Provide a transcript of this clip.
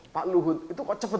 pak luhut itu kok cepet